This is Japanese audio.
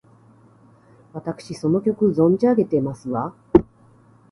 わたくしその曲、存じ上げてますわ！